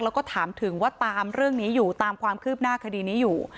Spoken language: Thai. แล้วก็ถามถึงว่าตามเรื่องนี้อยู่ตามความคืบหน้าคดีนี้อยู่